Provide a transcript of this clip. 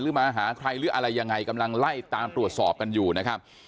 มาหาใครหรืออะไรยังไงกำลังไล่ตามตรวจสอบกันอยู่นะครับ